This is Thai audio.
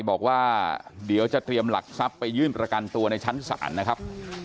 บอกว่าเดี๋ยวจะเตรียมหลักทรัพย์ไปยื่นประกันตัวในชั้นศาลนะครับ